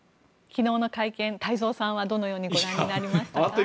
昨日の会見、太蔵さんはどのようにご覧になりました？